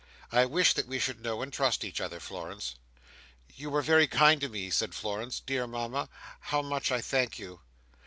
I wish that we should know and trust each other, Florence." "You are very kind to me," said Florence, "dear Mama. How much I thank you!"